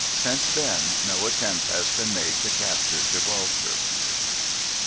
Since then no attempt has been made to capture Gibraltar.